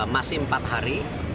masih empat hari